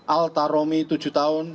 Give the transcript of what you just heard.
alta romi tujuh tahun